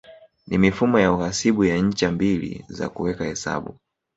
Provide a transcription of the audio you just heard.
Ni mifumo ya uhasibu ya ncha mbili za kuweka hesabu